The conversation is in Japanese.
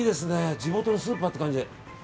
地元のスーパーって感じ。